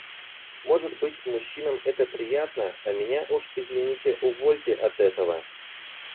Может быть, мужчинам это приятно, а меня, уж извините, увольте от этого.